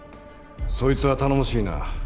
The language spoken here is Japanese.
そいつは頼もしいな。